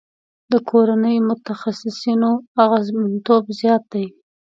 د کورني متخصصینو اغیزمنتوب زیات دی.